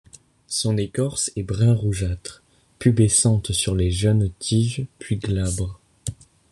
Son écorce est brun-rougeâtre, pubescente sur les jeunes tiges puis glabres.